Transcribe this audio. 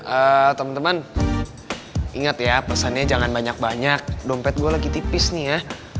eh teman teman ingat ya pesannya jangan banyak banyak dompet gue lagi tipis nih ya